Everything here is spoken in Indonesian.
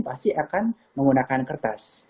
pasti akan menggunakan kertas